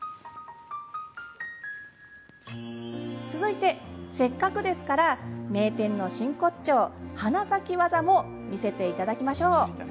続いてせっかくですから名店の真骨頂花咲き技も見せて頂きましょう。